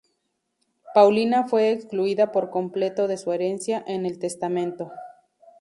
Paulina fue excluida por completo de su herencia en el testamento.